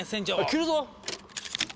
切るぞ！